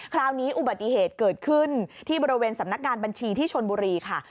คราวนี้อุบัติเหตุเกิดขึ้นที่บริเวณสำนักงานบัญชีที่ชนบุรีค่ะ